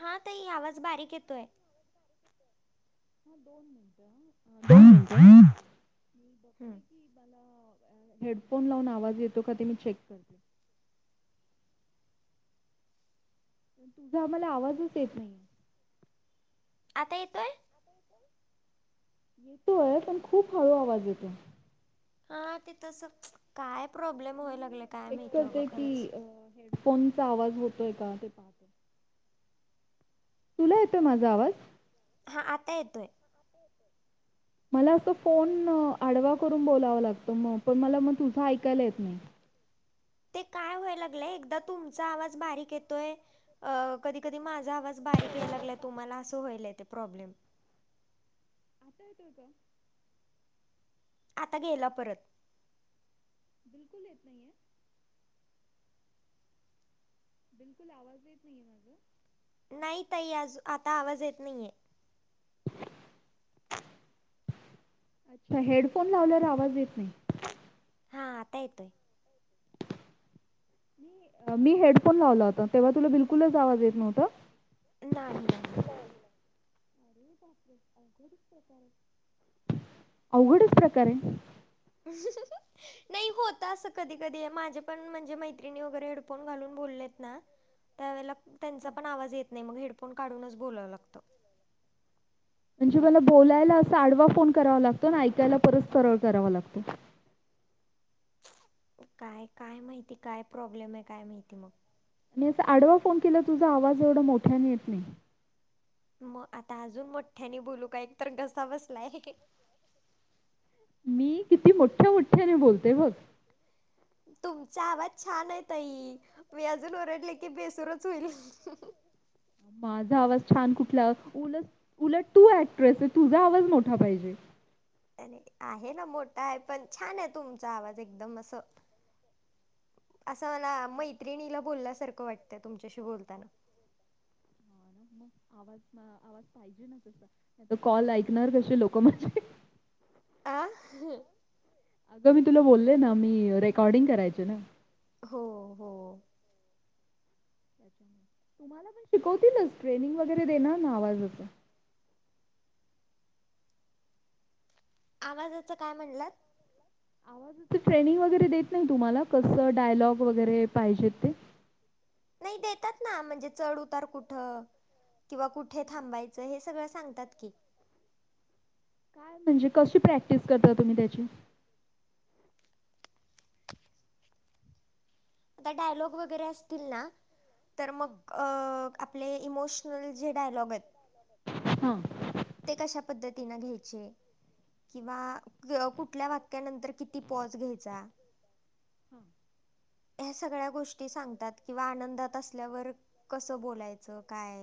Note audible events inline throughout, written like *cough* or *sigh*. हा, ताई आवाज बारीक येतोय. *unintelligible* हम्म. मला हेडफोन लावून आवाज येतो का ते मी चेक करते. तुझा मला आवाजच येत नाही. आता येतोय. येतोय, पण खूप हळू आवाज येतोय. अं, ते तसंच काय प्रॉब्लेम व्हाय म्हणून लागलय काय माहिती, बाबा, खरंच? फोनचा आवाज होतोय का ते पाहतो. तुला येतोय माझा आवाज? हा, आता येतोय. मला असं फोन आडवा करून बोलावं लागतं, म पण मला मग तुझं ऐकायला येत नाही. ते काय व्हायला लागलंय? एकदा तुमचा आवाज बारीक येतोय. अं, कधी-कधी माझा आवाज बारीक यायला लागलाय तुम्हाला असं व्हायलाय, ते प्रॉब्लेम. *unintelligible* आता गेला परत. बिलकुल येत नाइये. बिलकुल आवाज येत नायेय माज. नाही ताई, आजू आता आवाज येत नाहिये. अच्छा, हेडफोन लावल्यावर आवाज येत नाही. हा, आता येतोय. मी हेडफोन लावला होता, तेव्हा तुला बिलकुलच आवाज येत न्हवता. नाही-नाही. हो, अरे बापरे! अवघडच प्रकार आहे. *unintelligible* नाइ होत असं कधी -कधी माझे पण म्हणजे मैत्रिणी वगैरे हेडफोन घालून बोलेत ना. त्यावेळेला त्यांचा पण आवाज येत नाइ मग हेडफोन काढूनच बोलाव लागत. म्हणजे मला बोलायला असा आडवा फोन करावा लागतो अन ऐकायला परत सरळ करावा लागतो. काय काय माहिती काय प्रॉब्लेम आहे काय माहिती मग. मी अस आडवा फोन केल तुझा आवाज एवढा मोठ्याने येत नाही. म आता अजून मोठ्याने बोलू का एक तर घसा बसलाय. मी किती मोठ्या मोठ्याने बोलते बघ. तुमचा आवाज छान आहे ताई, मी अजून ओरडले की बेसूरच होईल. माझा आवाज छान कुठला, उलट उलट तू ऍक्ट्रेस आहे तुझा आवाज मोठा पाहिजे. आहे ना मोठा आहे पण छान आहे तुमचा आवाज एकदम असं, असं मला मैत्रिणीला बोलल्यासारक वाटतं तुमच्याशी बोलताना. *unintelligible* आवाज आवाज पाहिजे ना तस कॉल ऐकणार कसे लोक माझे, आ *unintelligible* अगं मी तुला बोललय ना मी रेकॉर्डिंग करायचे ना. हो हो तुम्हाला पण शिकवतीलच, ट्रेनिंग वगैरे देणार ना आवाजाच आवाजाचं काय म्हणलात? ते ट्रेनिंग वगैरे देत नाही तुम्हाला कसं डायलॉग वगैरे पाहिजेत ते. नाइ देतात ना, म्हणजे चढ -उतार कुठं किंवा कुठे थांबायचं हे सगळं सांगतात की. काय म्हणजे कशी प्रॅक्टिस करता तुम्ही त्याची? आता डायलॉग वगैरे असतील ना, तर मग हां अ आपले इमोश नल जे डयलॉग आहेत हां ते कशा पद्धतीन घ्यायचे. किंवा कुठल्या वाक्यानंतर किती पॉज घ्यायचा. हम्म ह्या सगळ्या गोष्टी सांगतात किंवा आनंदात अस ल्यावर कस बोलायचं काय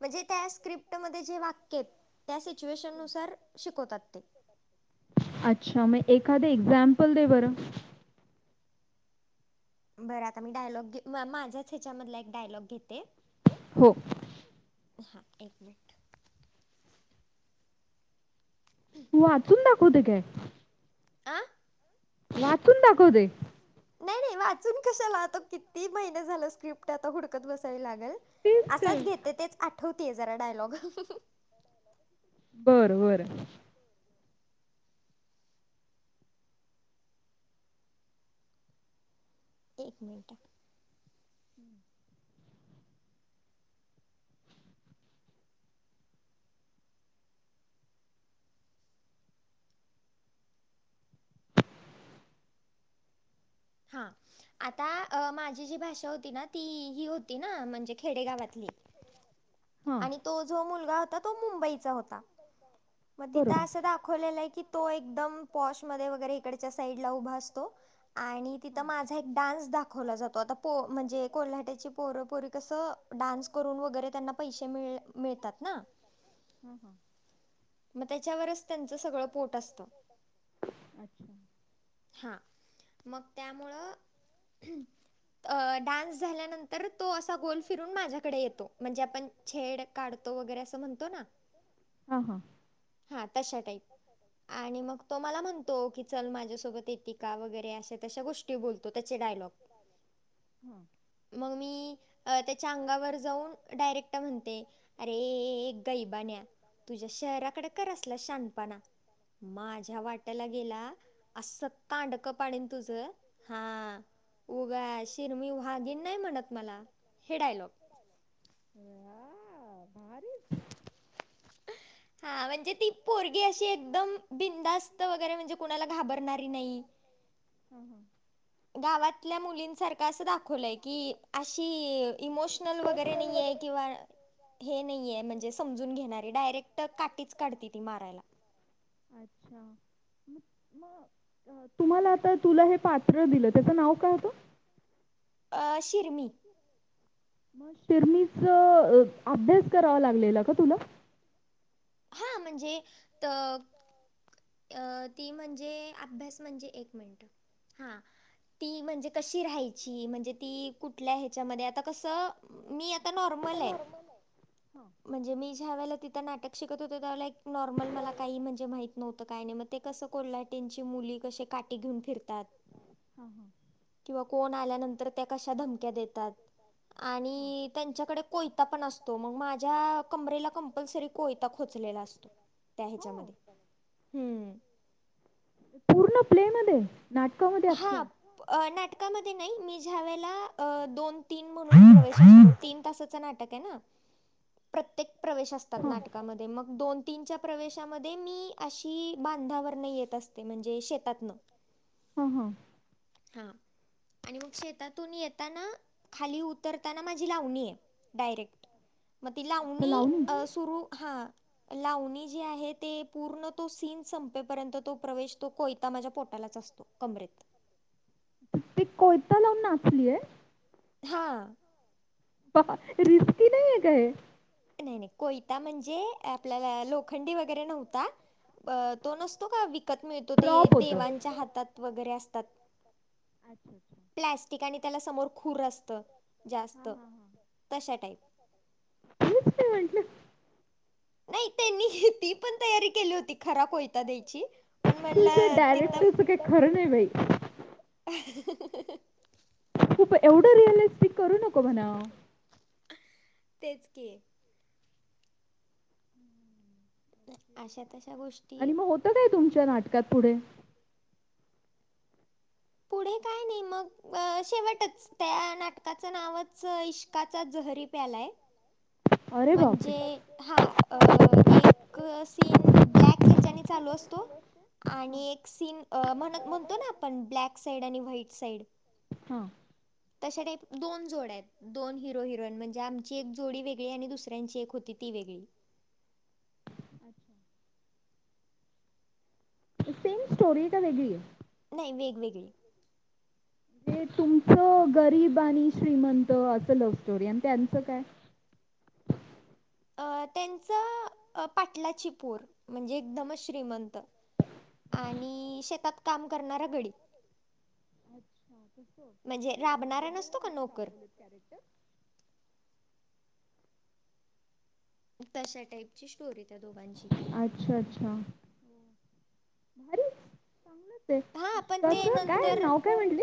म्हणजे त्या स्क्रिप्टमध्ये जे वाक्य आहेत त्या सिच्युएशननुसार शिकवतात ते. अच्छा मग एखादे एक्साम्पल दे बरं. बरं आता मी डायलॉग घे म मा माझ्याच ह्याच्यामधला एक डायलॉग घेते. हो हा एक मिनिट. तू वाचून दाखवते काय? आं वाचून दाखवते? नाही नाही वाचून कशाला आता किती महिने झालं स्क्रिप्ट आता हुडकत बसावी लागल. तेच तर असाच घेते तेच आठवतेय जरा डायलॉग. बर बर. एक मिनट, हा आता अ माझी जी भाषा होती ना ती ही होती ना म्हणजे खेडेगावातली. *inaudible* आणि तो जो मुलगा होता, तो मुंबईचा होता. मग बरोबर तिथं असं दाखवलेलंय की, तो एकदम पॉशमध्ये वगैरे इकडच्या साईडला उभा असतो. आणि तिथं हां माझा एक डान्स दाखवला जातो, आता पो म्हणजे कोल्हाट्याची पोरपोरी कसं डान्स करून वगैरे त्यांना पैसे मिळ मिळतात ना. हम्म हम् मग त्याच्यावरच त्यांचं सगळं पोट असतं. अच्छा *inaudible* हा. मग त्यामुळं *inaudible* डान्स झाल्यानंतर तर तो असा गोल फिरून माझ्याकडे येतो. म्हणजे आपण छेड काढतो, वगैरे असं म्हणतो ना ह हां. हा तशा टाईप. आणि मग तो मला म्हणतो, की चल माझ सोबत येती का? वगैरे अशा तशा गोष्टी बोलतो, त्याचे डायलॉग हां *inaudible* मग मी त्याच्या अंगावर जाऊन डायरेक्ट म्हणते अरेरे गईबान्या तुझ्या शहरा कडे कर असला शहानपणा. माझ्या वाट्याला गेला अस स कांडक पाडीन तुझं, हा. उगा शेरनी, व्हागीन नाही म्हणत मला. हे डायलॉग ह भारीच. *inaudible* हा म्हणजे ती पोरगी अशी एकदम बिंदास्त, वगैरे म्हणजे कुणाला घाबरणारी नाही *inaudible* गावातल्या मुलींसारखं असं दाखवलंय की, अशी इमोशनल वगैरे नाही आहे किंवा *inaudible* हे नाहीये म्हणजे समजून घेणारी. डायरेक्ट काठीच काढते ती मारायला. *inaudible* मग अ, तुम्हाला आता, तुला हे पात्र दिलं त्याचं नाव काय होतं? अं शिर्मी. शियमीच अभ्यास करावा लागलेला का तुला? हा म्हणजे, त अ ती म्हणजे अभ्यास म्हणजे, एक मिनट हा ती म्हणजे कशी राहायची? म्हणजे, ती कुठल्या ह्याच्यामध्ये, आता कसं मी आता नॉर्मल आहे. हां. म्हणजे मी ज्या वेळेला तिथं नाटक शिकत होते, त्या वेळेला एक नॉर्मल मला काही म्हणजे माही नव्हतं काही नाही. मग ते कसं कोल्हाटींची मुली कशी काठी घेऊन फिरतात *inaudible* किंवा कोण आल्यानंतर, त्या कशा धमक्या देतात. हां. आणि त्यांच्याकडे कोय पण असतो. मग माझ्या कमरेला कंपल्सरी कोयता खोचलेला असतो, त्या ह्याच्यामध्ये. हो. हम्म *inaudible* प्ले मध्ये, नाटकामध्ये असतंय? अं नाटकामध्ये नाही, मी ज्यावेळेला दोन तीन म्हणून प्रवेश असतो. तीन तासाचं नाटक आहे ना. प्रत्येक प्रवे तात, हां. नाटकामध्ये मध्ये मग दोन तीनच्या प्रवेशामध्ये मी, अशी बांधावरन येत असते. म्हणजे शेतातनं. ह् ह् हा आणि मग शेतातून येताना खाली उतरताना माझी लावणी ये. डायरेक्ट मग ती लावणी अ सुरू हा लावणी जी आहे ते पूर्ण तो सीन संपेपर्यंत तो प्रवेश तो कोयता माझ्या पोटालाच असतो. कमरेत ते कोयता लावून नाचली ये. हा रिस्की नाय का हे नाय नाय कोयता म्हणजे आपल्याला लोखंडी वगैरे नव्हता. अ तो नसतो का विकत मिळतो ते प्रॉप होता. देवांच्या हातात वगैरे असतात. *inaudible* प्लॅस्टिक आणि त्याला समोर खुर असत जास्त हां, हां, हां. तशा टाईप तेच मी म्हटलं. नाय त्यांनी ही ती पण तयारी केली होती, खरा कोयता द्यायची. पण म्हणलं तिथ काय खरं नाय बाई *unintelligible* खूप एवढं रिअलिस्टिक करू नको म्हणावं. तेच की अशा तशा गोष्ट आणि मग होत काय तुमच्या नाटकात पुढे? पुढे काय नाही मग अ शेवटच त्या नाटकाचं नावच इश्काचा जहरी प्याला ये. *inaudible* बापरे! म्हणजे हा अ एक सीन ब्लॅक ह्याच्याने चालू असतो. हां, आणि एक सीन अ म्हण-म्हणतो ना आपण ब्लॅक साईड आणि व्हाईट साईड. हां. तशा टाईप दोन जोड्या आहेत दोन हिरो हिरोन म्हणजे आमची एक जोडी वेगळी आणि दुसऱ्यांची एक होती ती वेगळी. सेम स्टोरी का वेगळीये? नाय वेगवेगळी. हे तुमचं गरीब आणि श्रीमंत असं लव्ह स्टोरी ये आन त्यांचं काय? अ त्यांच अ पाटलाची पोरं म्हणजे एकदमच श्रीमंत. आणि शेतात काम करणारा गडी. अच्छा तसं म्हणजे अरे बापरे हे राबणारा दोन नसतो का अशे नोकर दाखवलेत कॅरेक्टर? तशा टाईपची स्टोरी त्या दोघांची. अच्छा अच्छा हो भारी चांगल हे हा पण ते इश्काच काय नंतर नाव काय म्हंटली?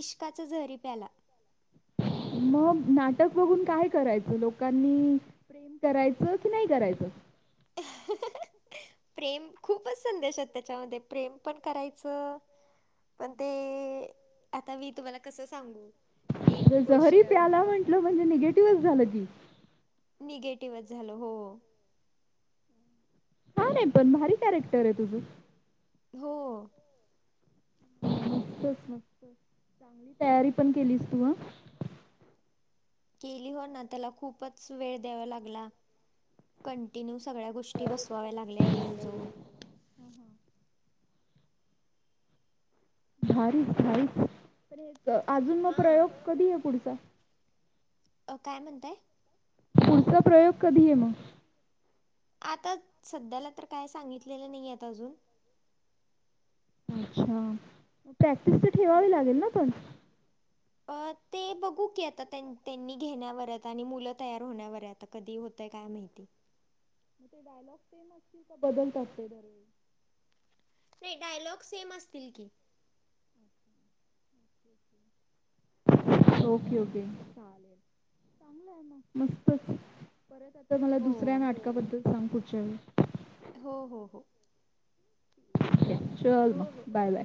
इश्काच जहरी प्याला. मग नाटक बघून काय करायचं लोकांनी प्रेम करायचं की नाय करायचं? *inaudible* प्रेम खूपच संदेश त्याच्यामध्ये प्रेम पण करायच. पण ते आता मी तुम्हाला कसं सांगू. एक जर जहरी गोष्ट प्याला म्हंटल म्हणजे निगेटिव्हच झालं की. निगेटिव्हच झाल हो हो. छान हे पण भारी कॅरेक्टर आहे तुझ. हो तेच ना तेच चांगली तयारी पण केलीस तू केली हो ना त्याला खूपच वेळ द्यावा लागला. कंटिन्यू सगळ्या गोष्टी बसवाव्या लागल्या, येऊन जाऊन भारीच भारी पण एक अजून म प्रयोग हां. कधी ये पुढचा? अ काय म्हणताय? पुढचा प्रयोग कधी ये म आता सध्याला तर काय सांगितलेलं नय येत अजून अच्छा, म प्रॅक्टिस त ब- ठेवावी लागेल ना पण. अ ते बघू की, आता त्यां त्यांनी घेण्यावरत. ता आणि मुलं तयार होण्यावर ये आता कधी होतय काय माहिती. म ते डायलॉग सेम असतील का बदलतात ते दरवेळी? नाय डायलॉग सेम असतील की ओके ओके चालेल. चांगलय म मस्तच परत आता मला हो, दुसऱ्या नाटकाबद्दल सांग पुढच्या वेळी हो हो हो. चल म हो, हो. Bye bye.